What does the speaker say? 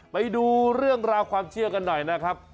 ไปดูเรื่องราวความเชื่อกันหน่อยนะครับ